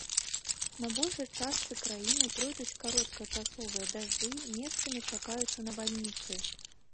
На большай частцы краіны пройдуць кароткачасовыя дажджы, месцамі чакаюцца навальніцы.